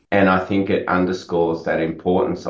dan saya pikir itu menandatangani kepentingan